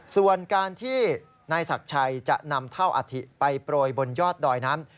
ส่วนการที่นายศักดิ์ชัยจะนำเท่าอัฐิไปโปรยบนยอดดอยนั้น